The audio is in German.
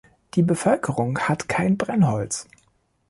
Die Bevölkerung hat kein Brennholz.